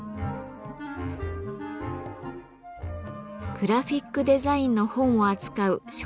グラフィックデザインの本を扱う書店。